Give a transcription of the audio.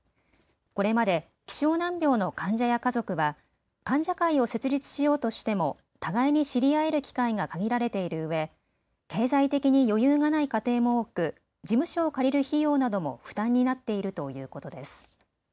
これまで希少難病の患者や家族は患者会を設立しようとしても互いに知り合える機会が限られているうえ、経済的に余裕がない家庭も多く事務所を借りる費用なども負担になっているということです。